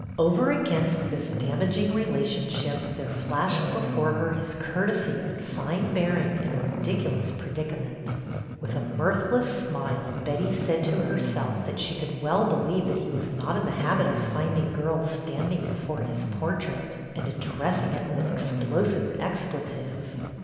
Over against this damaging relationship there flashed before her his courtesy and fine bearing in a ridiculous predicament. With a mirthless smile, Betty said to herself that she could well believe that he was not in the habit of finding girls standing before his portrait and addressing it with an explosive expletive.